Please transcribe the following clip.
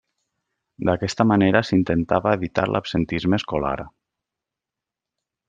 D'aquesta manera s'intentava evitar l'absentisme escolar.